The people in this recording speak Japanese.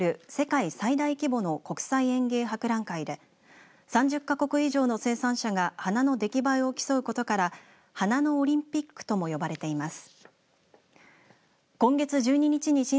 フロリアードは１０年に一度、オランダで開かれる世界最大規模の国際園芸博覧会で３０か国以上の生産者が花の出来栄えを競うことから花のオリンピックとも呼ばれています。